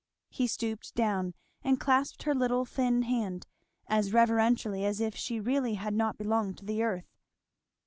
He stooped down and clasped her little thin hand, as reverentially as if she really had not belonged to the earth.